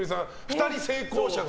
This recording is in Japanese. ２人成功者が。